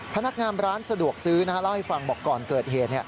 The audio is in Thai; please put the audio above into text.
พนักงานร้านสะดวกซื้อเล่าให้ฟังบอกก่อนเกิดเหตุ